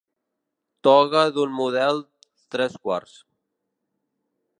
Toga d'un model tres-quarts.